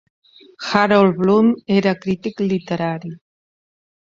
Harold Bloom era crític literari